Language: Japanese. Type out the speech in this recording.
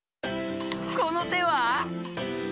このては？